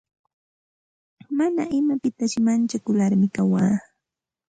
Mana imapitasi manchakularmi kawaa.